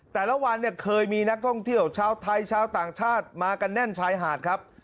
แต่ละวันเนี่ยเคยมีนักท่องเที่ยวชาวไทยชาวต่างชาติมากันแน่นชายหาดครับ